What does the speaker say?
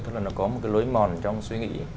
tức là nó có một cái lối mòn trong suy nghĩ